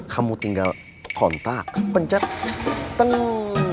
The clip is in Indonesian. kamu tinggal kontak pencet tenang